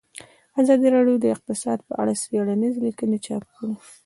ازادي راډیو د اقتصاد په اړه څېړنیزې لیکنې چاپ کړي.